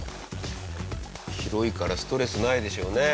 広いからストレスないでしょうね。